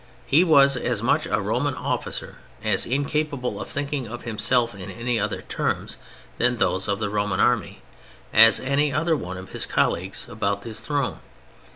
He was as much a Roman officer, as incapable of thinking of himself in any other terms than those of the Roman Army, as any other one of his colleagues about the throne.